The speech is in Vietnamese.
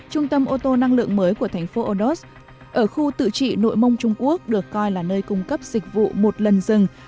trung tâm ô tô năng lượng mới của thành phố odos ở khu tự trị nội mông trung quốc được coi là nơi cung cấp dịch vụ một lần rừng